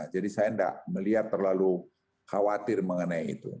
jadi saya enggak melihat terlalu khawatir mengenai itu